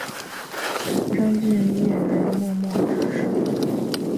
詹建业仍默默支持。